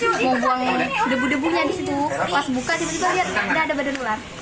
jadi kami buka mau buang debu debunya disitu pas buka tiba tiba lihat nah ada badan ular